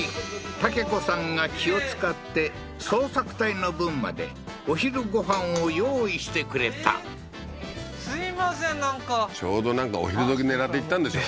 たけ子さんが気を使って捜索隊の分までお昼ご飯を用意してくれたすいませんなんかちょうどなんかお昼どき狙って行ったんでしょ？